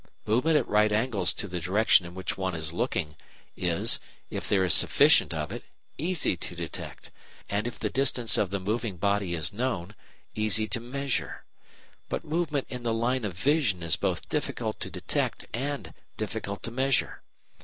Movement at right angles to the direction in which one is looking is, if there is sufficient of it, easy to detect, and, if the distance of the moving body is known, easy to measure. But movement in the line of vision is both difficult to detect and difficult to measure.